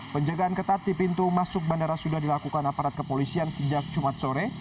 penjagaan ketat di pintu masuk bandara sudah dilakukan aparat kepolisian sejak jumat sore